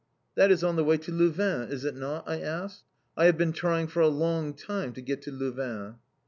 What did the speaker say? "That is on the way to Louvain, is it not?" I asked. "I have been trying for a long time to get to Louvain!"